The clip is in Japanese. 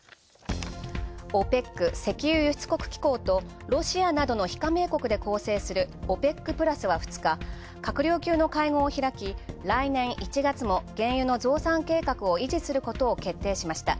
ＯＰＥＣ＝石油輸出国機構とロシアなどの非加盟国で構成するＯＰＥＣプラスは閣僚級の会合を開き来年１月も原油の増産計画を維持することを発表しました。